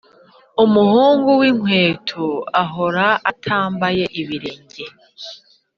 umuhungu winkweto ahora atambaye ibirenge